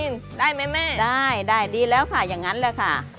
ได้ไหมแม่ได้ได้ดีแล้วค่ะอย่างนั้นแหละค่ะ